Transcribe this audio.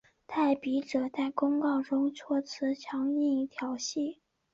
代笔者在公告中措辞强硬挑衅。